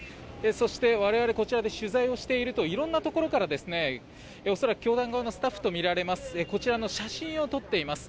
そして、我々こちらで取材をしているといろんなところから恐らく教団側のスタッフとみられますが写真を撮っています。